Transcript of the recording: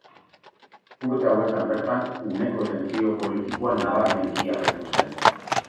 Urte hauetan bertan, uneko tentsio politikoa nabarmenki agertu zen.